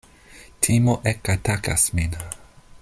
Timo ekatakas min.